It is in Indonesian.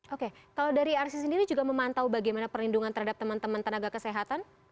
oke kalau dari arsi sendiri juga memantau bagaimana perlindungan terhadap teman teman tenaga kesehatan